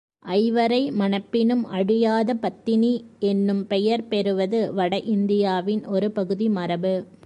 ஐவரை மணப்பினும் அழியாத பத்தினி என்னும் பெயர் பெறுவது வட இந்தியாவின் ஒரு பகுதி மரபு.